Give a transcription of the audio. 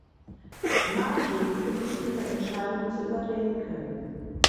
Marjorie beginnt ihre Entscheidung zu überdenken.